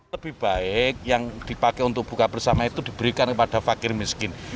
lebih baik yang dipakai untuk buka bersama itu diberikan kepada fakir miskin